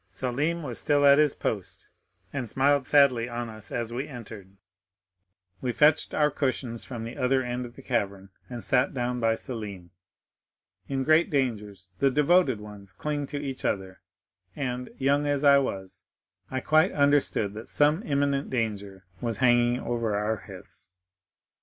Selim was still at his post, and smiled sadly on us as we entered. We fetched our cushions from the other end of the cavern, and sat down by Selim. In great dangers the devoted ones cling to each other; and, young as I was, I quite understood that some imminent danger was hanging over our heads."